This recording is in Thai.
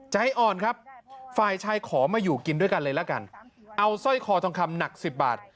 ใจอ่อนครับฝ่ายชายขอมาอยู่กินด้วยกันเลยละกันเอาสร้อยคอทองคำหนักสิบบาท